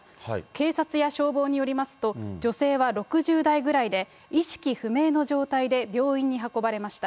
警察や消防によりますと、女性は６０代ぐらいで、意識不明の状態で病院に運ばれました。